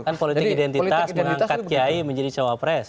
kan politik identitas mengangkat kiai menjadi cawapres